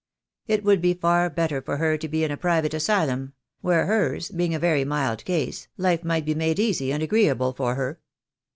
It would be far better for her to be in a private asylum — where, hers being a very mild case, life might be made easy and agreeable for her.